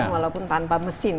walaupun tanpa mesin